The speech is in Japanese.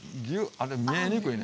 あれ見えにくいね。